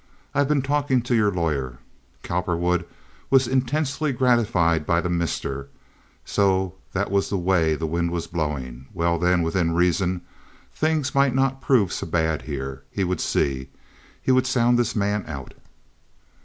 "I've been talking to your lawyer." Cowperwood was intensely gratified by the Mr. So that was the way the wind was blowing. Well, then, within reason, things might not prove so bad here. He would see. He would sound this man out.